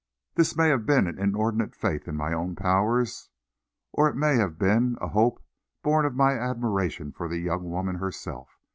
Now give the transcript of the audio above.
This may have been an inordinate faith in my own powers, or it may have been a hope born of my admiration for the young woman herself.